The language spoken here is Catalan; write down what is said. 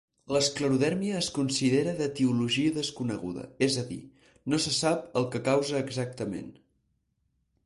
L'esclerodèrmia es considera d'etiologia desconeguda, és a dir, no se sap el que causa exactament.